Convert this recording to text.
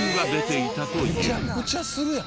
めちゃくちゃするやん。